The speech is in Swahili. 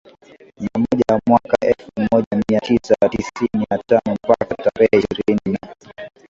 na moja mwaka elfu moja mia tisa tisini na tano mpaka tarehe ishirini na